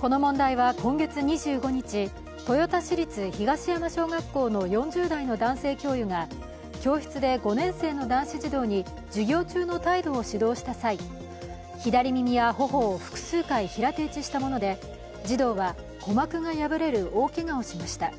この問題は、今月２５日、豊田市立東山小学校の４０代の男性教諭が教室で５年生の男子児童に授業中の態度を指導した際、左耳や頬を複数回平手打ちしたもので児童は鼓膜が破れる大けがをしました。